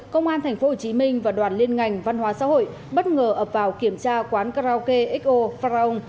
công an tp hcm và đoàn liên ngành văn hóa xã hội bất ngờ ập vào kiểm tra quán karaoke xo fran